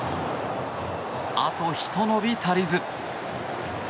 あとひと伸び足りず。